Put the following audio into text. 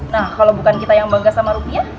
nah kalau bukan kita yang bangga sama rupiah